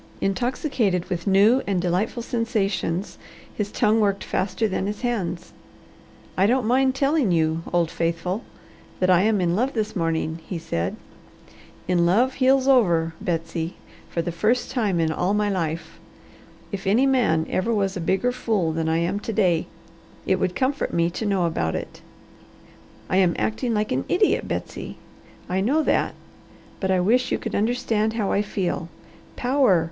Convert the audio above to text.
Intoxicated with new and delightful sensations his tongue worked faster than his hands. "I don't mind telling you, old faithful, that I am in love this morning," he said. "In love heels over, Betsy, for the first time in all my life. If any man ever was a bigger fool than I am to day, it would comfort me to know about it. I am acting like an idiot, Betsy. I know that, but I wish you could understand how I feel. Power!